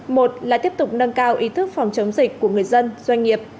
một là tiếp tục nâng cao ý thức phòng chống dịch của người dân doanh nghiệp